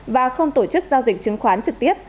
và không tổ chức giao dịch chứng khoán trực tiếp